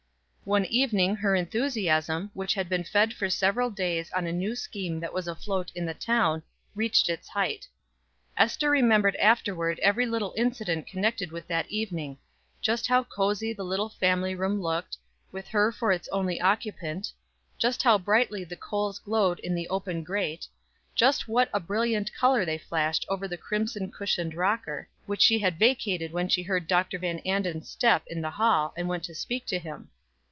One evening her enthusiasm, which had been fed for several days on a new scheme that was afloat in the town, reached its hight. Ester remembered afterward every little incident connected with that evening just how cozy the little family sitting room looked, with her for its only occupant; just how brightly the coals glowed in the open grate; just what a brilliant color they flashed over the crimson cushioned rocker, which she had vacated when she heard Dr. Van Anden's step in the hall, and went to speak to him.